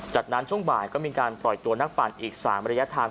จากนั้นช่วงบ่ายก็มีการปล่อยตัวนักปั่นอีก๓ระยะทาง